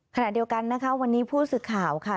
ขณะเดียวกันนะคะวันนี้ผู้สื่อข่าวค่ะ